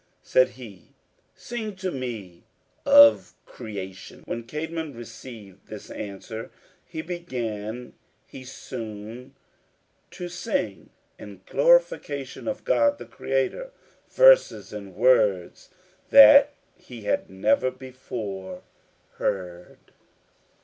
Said he, "Sing to me of creation." When Cædmon received this answer, then began he soon to sing in glorification of God the Creator, verses and words that he had never before heard.